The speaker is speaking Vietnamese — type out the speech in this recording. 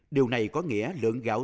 điều này có nghĩa lượng gạo